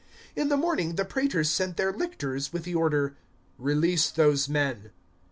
016:035 In the morning the praetors sent their lictors with the order, "Release those men."